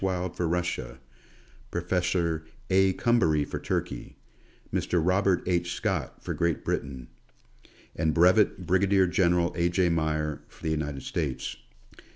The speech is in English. Wild for Russia ; Professor A. Coumbary for Turkey ; Mr. Robert H. Scott for Great Britain ; and Bvt. Brig. General A. J. Meyer, for the United States.